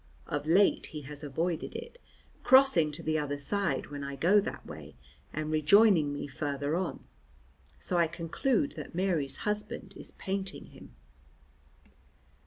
Of late he has avoided it, crossing to the other side when I go that way, and rejoining me farther on, so I conclude that Mary's husband is painting him.